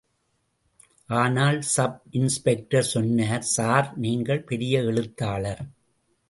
ஆனால் sub inspector சொன்னார். Sir, நீங்கள் பெரிய எழுத்தாளர்.